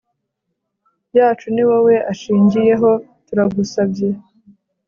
yacu ni wowe ashingiyeho turagusabye